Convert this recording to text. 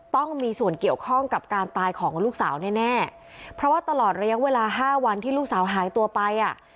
ต้องมีส่วนเกี่ยวข้องกับการตายของลูกสาวแน่แน่เพราะว่าตลอดระยะเวลาห้าวันที่ลูกสาวหายตัวไปอ่ะ